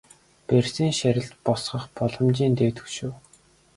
Борисын шарилд босгох боломжийн дээд хөшөө.